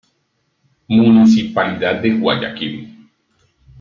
Municipalidad de Guayaquil".